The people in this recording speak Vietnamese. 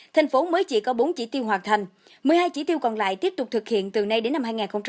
tp hcm mới chỉ có bốn chỉ tiêu hoạt thành một mươi hai chỉ tiêu còn lại tiếp tục thực hiện từ nay đến năm hai nghìn hai mươi